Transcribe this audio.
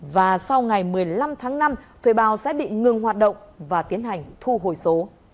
và sau ngày một mươi năm tháng năm thuê bao sẽ bị ngừng hoạt động và tiến hành thu hồi số